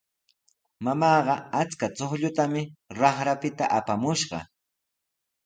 Mamaaqa achka chuqllutami raqrapita apamushqa.